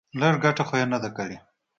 لږه گټه خو يې نه ده کړې.